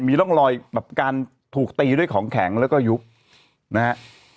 มีร่องรอยแบบการถูกตีด้วยของแข็งแล้วก็ยุบนะฮะ